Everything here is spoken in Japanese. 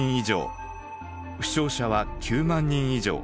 負傷者は９万人以上。